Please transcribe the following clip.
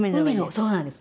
そうなんです。